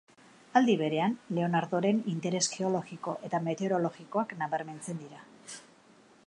Aldi berean, Leonardoren interes geologiko eta meteorologikoak nabarmentzen dira.